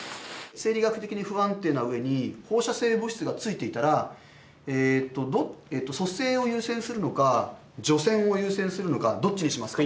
生理学的に不安定な上に放射性物質がついていたら蘇生を優先するのか除染を優先するのかどっちにしますか？